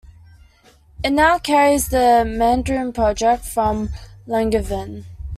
It now carries the Mandarin project from Langevin.